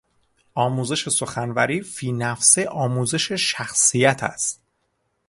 آموزش سخنوری فینفسه آموزش شخصیت است.